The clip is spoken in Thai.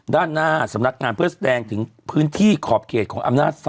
ด้านหน้าสำนักงานเพื่อแสดง